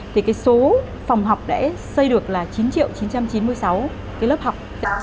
thì số phòng học đã xây được là chín triệu chín trăm chín mươi sáu lớp học